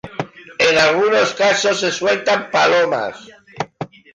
En algunos casos se sueltan palomas.